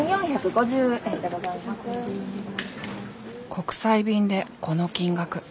国際便でこの金額。